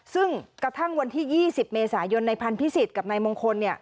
ซึ่งกระทั่งวันที่๒๐เมษายนนายพันธิสิทธิ์กับนายมงคล